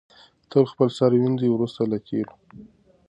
تل خپل سر ووینځئ وروسته له تېلو.